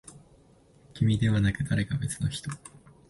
君ではなく、誰か別の人。